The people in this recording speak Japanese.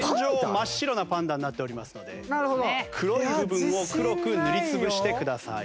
真っ白なパンダになっておりますので黒い部分を黒く塗りつぶしてください。